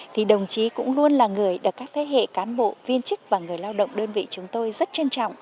thì đồng chí cũng luôn là người được các thế hệ cán bộ viên chức và người lao động đơn vị chúng tôi rất trân trọng